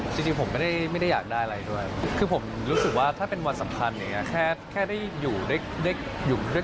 จริงผมไม่ได้อยากได้ไรด้วย